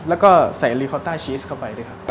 แล้วก็ใส่ลีคอต้าชีสเข้าไปด้วยครับ